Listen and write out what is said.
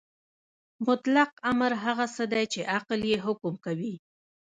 مطلق امر هغه څه دی چې عقل یې حکم کوي.